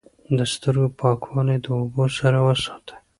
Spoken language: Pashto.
د سترګو پاکوالی د اوبو سره وساتئ.